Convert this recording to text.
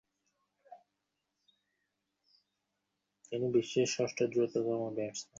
এতে ভেতরের ময়লা বের হয়ে আসে এবং তেলের পুষ্টিগুণ ভেতরে যেতে পারে।